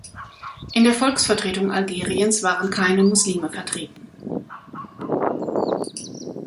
In der Volksvertretung Algeriens waren keine Muslime vertreten.